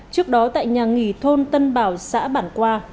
trước đó tại nhà nghỉ thôn tân bảo xã bản qua